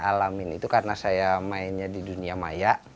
alamin itu karena saya mainnya di dunia maya